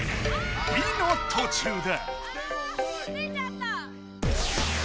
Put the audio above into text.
「び」のとちゅうだ。